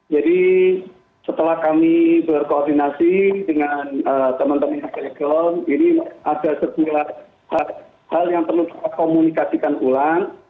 jadi setelah kami berkoordinasi dengan teman teman di kilegon ini ada sebuah hal yang perlu kita komunikasikan ulang